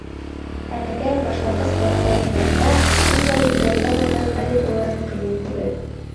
Әлегә, башланғыс класта уҡығанда, ундай проблеманы хәл итеүе ҡыйын түгел.